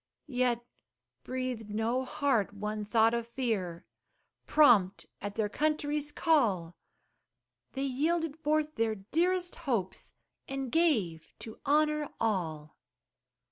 Yet breathed no heart one thought of fear, Prompt at their country's call, They yielded forth their dearest hopes, And gave to honor all!